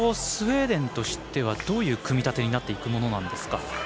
スウェーデンとしてはどういう組み立てになっていくものなんですか。